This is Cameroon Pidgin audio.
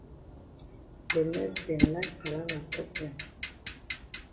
De nurse dem like palava tok dem.